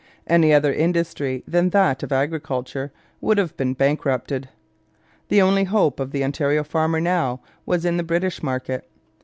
Any other industry than that of agriculture would have been bankrupted. The only hope of the Ontario farmer now was in the British market.